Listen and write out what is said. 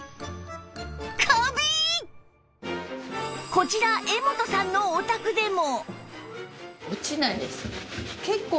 こちら絵元さんのお宅でも